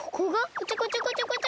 こちょこちょこちょこちょ。